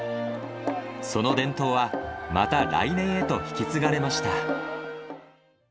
その伝統は、また来年へと引き継がれました。